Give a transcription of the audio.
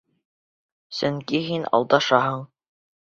Сөнки һин алдашаһың!